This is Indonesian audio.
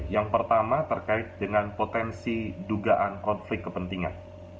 yang pertama terkait dengan potensi dugaan konflik kepentingan